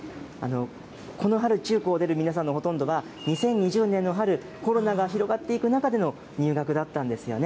この春、中高を出る皆さんのほとんどは２０２０年の春、コロナが広がっていく中での入学だったんですよね。